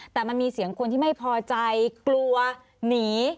แต่มันมีเสียงคนที่ไม่พอใจกลัวหนี